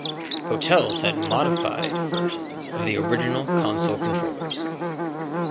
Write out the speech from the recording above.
Hotels had modified versions of the original console controllers.